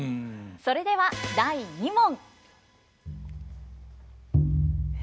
それでは第２問！